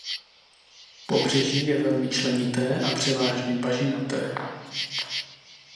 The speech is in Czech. Pobřeží je velmi členité a převážně bažinaté.